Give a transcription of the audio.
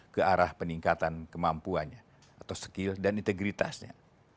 ke arah peningkatan kemampuannya atau skill dan integritasnya